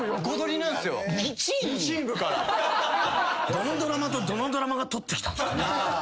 どのドラマとどのドラマが取ってきたんすかね？